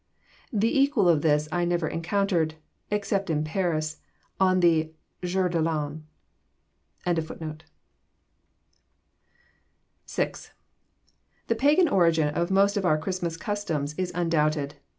The equal of this I never encountered, except in Paris, on the jour de l'an. VI. The pagan origin of most of our Christmas customs is undoubted.